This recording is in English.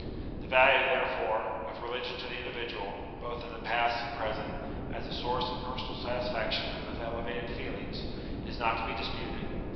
The value, therefore, of religion to the individual, both in the past and present, as a source of personal satisfaction and of elevated feelings, is not to be dis puted.